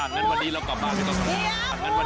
อ่ะงั้นวันนี้เรากลับบ้านไม่ต้องทำงาน